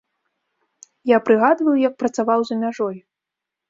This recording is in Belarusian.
Я прыгадваю, як працаваў за мяжой.